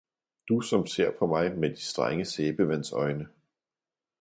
Du, som ser på mig med de strenge sæbevandsøjne.